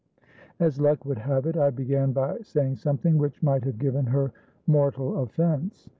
"As luck would have it, I began by saying something which might have given her mortal offence."